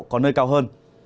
có nơi cao hơn